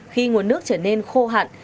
khi nguồn nước trở nên khô hạn